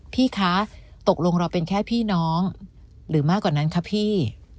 พี่คะตกลงเราเป็นแค่พี่น้องหรือมากกว่านั้นคะพี่